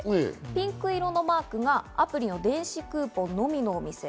ピンク色のマークがアプリの電子クーポンのみのお店。